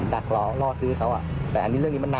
ดัดรอซื้อเขา